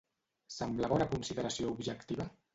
Semblava una consideració objectiva?